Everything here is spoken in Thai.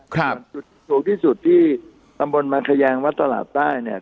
ครับสูงที่สุดที่ตำบลมันขยางวัดตระหลาดใต้เนี่ย